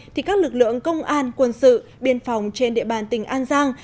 thì các lực lượng công an quân sự biên phòng trên địa bàn tỉnh an giang